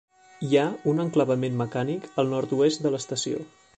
Hi ha un enclavament mecànic al nord-oest de l'estació.